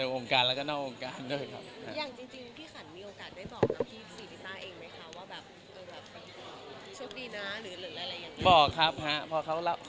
ในองค์การและก็นอกองค์การนะครับ